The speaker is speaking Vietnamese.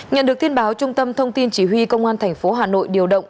nhận được tin báo trung tâm thông tin chỉ huy công an thành phố hà nội điều động